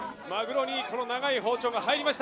マグロに長い包丁が入りました。